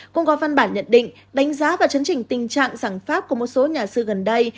cũng có văn bản nhận định đánh giá và chấn trình tình trạng sảng pháp của một số nhà sư gần đây